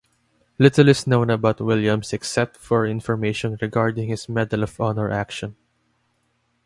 Little is known about Williams except for information regarding his Medal of Honor action.